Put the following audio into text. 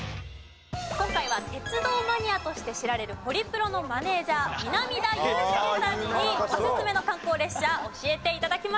今回は鉄道マニアとして知られるホリプロのマネジャー南田裕介さんにオススメの観光列車教えて頂きました。